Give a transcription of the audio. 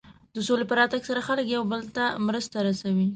د سولې په راتګ سره خلک یو بل ته مرستې رسوي.